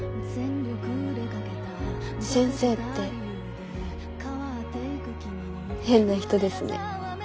先生って変な人ですね。